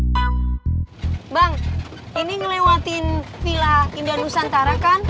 bang ini ngelewatin vila indah nusantara